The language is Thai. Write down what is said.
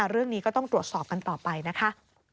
เรื่องนี้ก็ต้องตรวจสอบกันต่อไปนะคะ